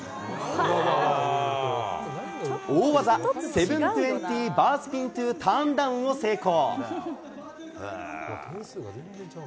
大技７２０バースピン・トゥ・ターンダウンを成功。